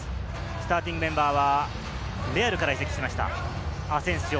スターティングメンバーはレアルから移籍しましたアセンシオ。